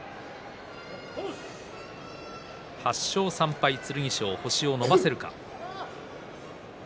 ８勝３敗の剣翔、星を伸ばせるか。